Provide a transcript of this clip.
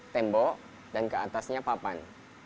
tembok dan ke atasnya papan